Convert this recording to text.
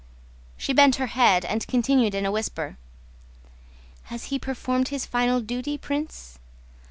She bent her head and continued in a whisper: "Has he performed his final duty, Prince?